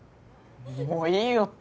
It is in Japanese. もういいよ。